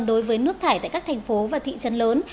đối với nước thải tại các thành phố và thị trấn lớn